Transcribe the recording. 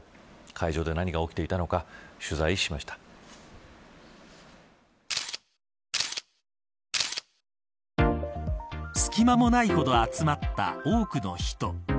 会場で何が起きていたのか隙間もないほど集まった多くの人。